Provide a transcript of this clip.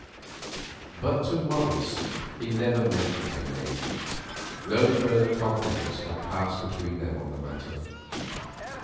But to Morris he never mentioned her name. No further confidence had passed between them on the matter.